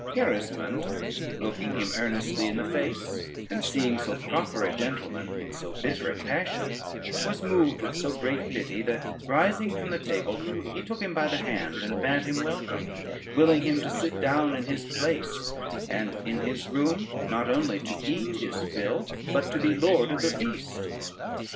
Gerismond, looking him earnestly in the face, and seeing so proper a gentleman in so bitter a passion, was moved with so great pity, that rising from the table, he took him by the hand and bad him welcome, willing him to sit down in his place, and in his room not only to eat his fill, but be lord of the feast.